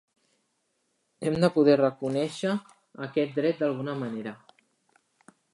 Hem de poder reconèixer aquest dret d’alguna manera.